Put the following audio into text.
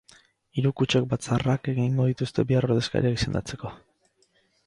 Hiru kutxek batzarrak egingo dituzte bihar ordezkariak izendatzeko.